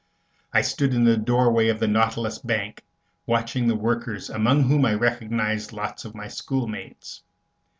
I stood in the doorway of the Nautilus Bank, watching the workers, among whom I recognized lots of my schoolmates.